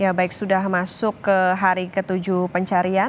ya baik sudah masuk ke hari ketujuh pencarian